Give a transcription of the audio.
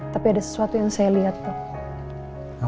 tapi ada sesuatu yang saya lihat tuh